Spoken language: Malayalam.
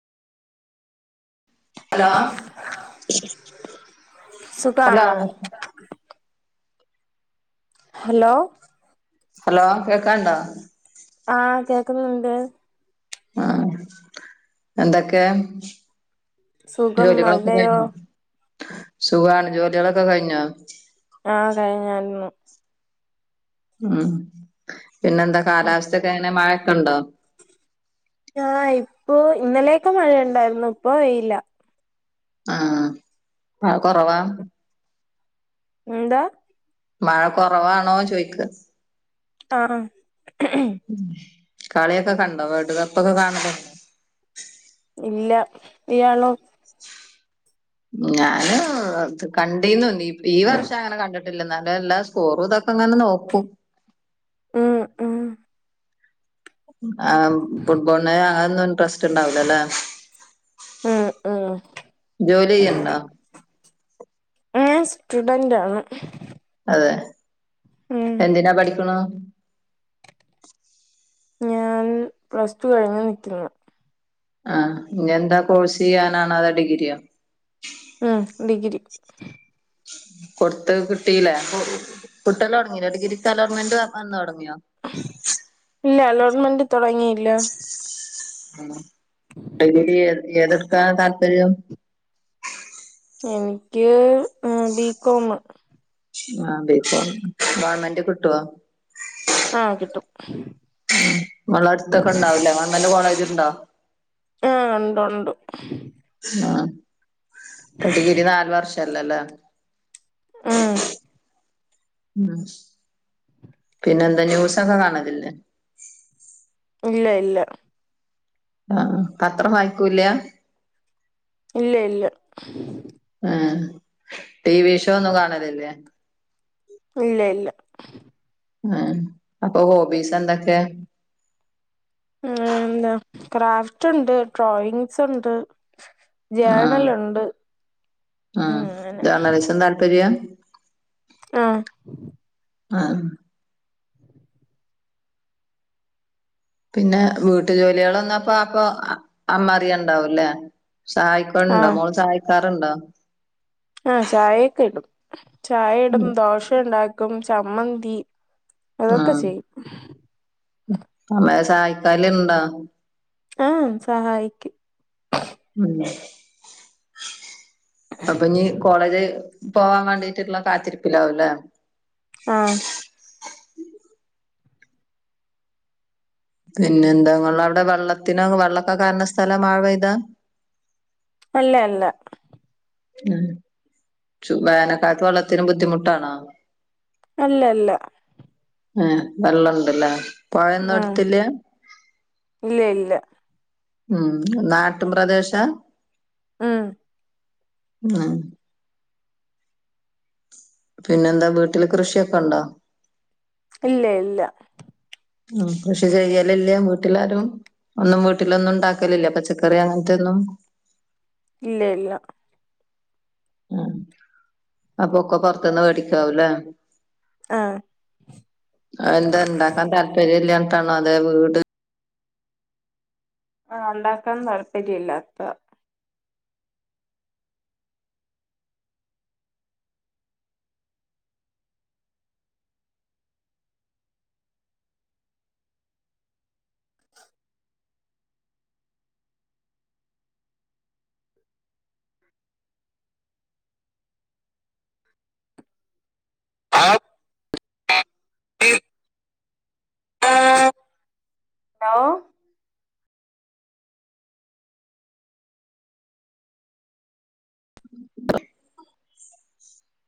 ഹലോ ഹലോ സുഖാണോ ഹലോ ഹലോ കേൾക്കാണ്ടോ? ആഹ് കേക്കുന്നുണ്ട് ആഹ് എന്തൊക്കെ? സുഖം ജോലികളൊക്കെ അവിടെയോ കഴിഞ്ഞോ? സുഖാണ് ജോലികളൊക്കെ കഴിഞ്ഞോ? ആഹ് കഴിഞ്ഞായിരുന്നു ഉം പിന്നെന്താ കാലാവസ്ഥക്കെ എങ്ങനെ മഴൊക്കെ ഉണ്ടോ ആഹ് ഇപ്പൊ... ഇന്നലെയൊക്കെ മഴ ഉണ്ടായിര്ന്നു ഇപ്പ വെയില ആഹ്. മഴ കൊറവാ? എന്താ മഴ കുറവാണോ ചോയ്ക്ക ആഹ് ആ കളിയൊക്കെ കണ്ടോ? വേൾഡ് കപ്പൊക്കെ കാണൽ ഇല്ല ഇയാളോ. ഞാന് കണ്ടിന്നു ഈ വർഷം അങ്ങനെ കണ്ടി ഇല്ലേഎന്നാല എല്ലാ സ്കോറും ഇതൊക്കെ അങ്ങനെ നോക്കും മം മം ആ ഫുട്ബോളെ അകുന്നു ട്രാസ് സ്റ്റു ണ്ടാവുലല്ലേ ഉം ഉം ജോലി ചെയ്യണ്ടോ? ഞാൻ സ്റ്റുഡന്റാണ്. അതെ എന്തിനാ പഠിക്ണു ഞാൻ പ്ലസ് ടു കഴിഞ്ഞ് നിൽക്കുന്നു. ആഹ ഇഞ് ന്താ കോഴ്സ് ചെയ്യാനാണ അതോ ഡിഗ്രിയോ? മം ഡിഗ്രി [inaudible] കൊടുത്ത് കിട്ടില്ലേ? കുട്ടല്ല തോടങ്ങിലെ ഡിഗ്രിക്ക് അലോർമെന്റ് വന്ന് തുടങ്ങിയോ? ഇല്ല അലോട്ട്മെന്റ് തോടങ്ങില്ല. മം ഡിഗ്രി ക്ക് ഏതെടുക്കാനാ താല്പര്യം എനിക്ക് ബികോം. ആ ബികോമ് ഗവൺമെന്റ് കിട്ടുവോ? ആ കിട്ടും ങ്ങള്ട്തൊക്കെ ഉണ്ടാവൂല്ലേ? കോളേജ് ഉണ്ടോ? ഹ്മ്മ് ഉണ്ട് ഉണ്ട് ആഹ് ഡിഗ്രി നാല് വർഷല്ലല്ലേ ഉമ് ഉം പിന്നെ എന്താ ന്യൂസൊക്കെ കാണലില്ലേ? ഇല്ല ഇല്ല ആഹ് പത്രം വായിക്കൂല ഇല്ല ഇല്ല ഏഹ്. ടി വി ഷോ ഒന്നും കാണല്ല്ലേ ഇല്ല ഇല്ല ആ അപ്പൊ ഹോബീസ് എന്തൊക്കെയാ എന്താ ക്രാഫ്റ്റ് ഉണ്ട് ഡ്രോയിങ്സ് ഉണ്ട്. ആഹ് ജേണലുണ്ട് ഉം ആഹ് അങ്ങനെ ജേർണലിസം താല്പര്യ മം ആഹ് പിന്നെ വീട്ടു ജോലികൾ ന്നപ്പ അപ്പൊ അമ്മ അറിയണ്ടാവൂല്ലേ ആ സഹായിക്കോണ്ടോ മോള് സഹായിക്കാറ്ണ്ടോ ആഹ് ചായയൊക്കെ ഇടും ചായ ഇടും ദോശ ണ്ടാക്കും ചമ്മന്തി ആക്ക ആഹ് ചെയ്യും. അമ്മയെ സഹായിക്കല്ണ്ടാ. ആഹ് സഹായിക്കും. ഉം അപ്പ ഞ് കോളേജ് പോവാവാണ്ടിട്ടുള്ള കാത്തിരിപ്പിലാവുല്ലേ ആഹ് പിന്നെന്താ ഇങ്ങളടെ വെള്ളത്തിനോ വെള്ളക്ക കാണണ സ്ഥല മഴ പെയ്താ അല്ല അല്ല ഉം വേനൽക്കാലത്ത് വെള്ളത്തിന് ബുദ്ധിമുട്ടാണോ അല്ല അല്ല ആഹ് വെള്ളം ഇണ്ടല്ലേ പോഴൊന്നും ഉം അടുത്തില്ല ഇല്ല ഇല്ല ഉം നാട്ടും പ്രദേശ? ഉം ആഹ് പിന്നെന്താ വീട്ടില് കൃഷിയൊക്കെ ഉണ്ടോ? ഇല്ല ഇല്ല. ഉം കൃഷി ചെയ്യലലില്ലേ വീട്ടിലാരും? ഒന്നും വീട്ടിലൊന്നും ണ്ടാക്കലില്ലേ പച്ചക്കറി അങ്ങനത്തോന്നും. ഇല്ല ഇല്ല. അപ്പൊ ഒക്കെ പൊറത്തുന്ന് മേടിക്കാവൂല്ലേ ആഹ് അത് എന്തേ ഇണ്ടാക്കാൻ താല്പര്യം ഇല്ലയ്യി ട്ടാണോ അതേ വീട് ആഹ് ഉണ്ടാക്കാൻ താല്പര്യല്ലത [inaudible] ആ [unintelligible] ആ ഹലോ [inaudible]